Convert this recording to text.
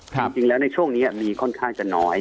จริงแล้วในช่วงนี้มีค่อนข้างจะน้อย